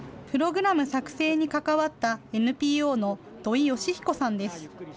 プログラム作成に関わったＮＰＯの土井佳彦さんです。